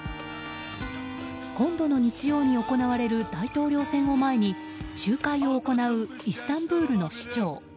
今度の日曜に行われる大統領選を前に集会を行うイスタンブールの市長。